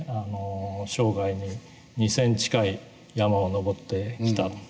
生涯に２，０００近い山を登ってきた。